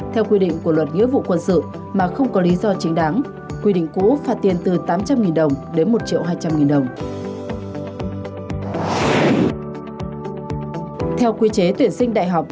theo quy chế tuyển sinh đại học